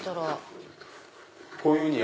こういうふうに。